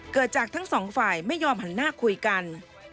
เกิดจากทั้งสองฝ่ายไม่ยอมหันหน้าคุยกัน